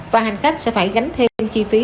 và hành khách sẽ phải gánh thêm chi phí